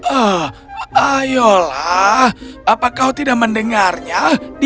ah ayolah apa kau tidak mendengarnya dia adalah keledai